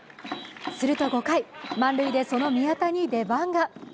すると５回、満塁でその宮田に出番が。